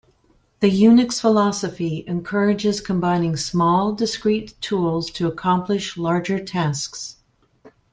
The Unix philosophy encourages combining small, discrete tools to accomplish larger tasks.